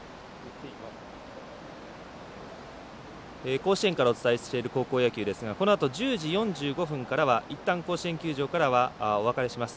甲子園からお伝えしている高校野球ですがこのあと１０時４５分からはいったん甲子園球場からはお別れします。